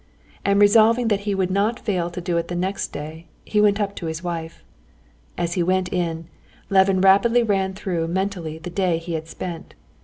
And resolving that he would not fail to do it next day, he went up to his wife. As he went in, Levin rapidly ran through mentally the day he had spent.